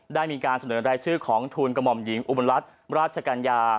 ได้มีการเสนอรายชื่อของทูลกระหม่อมหญิงอุบลรัฐราชกัญญา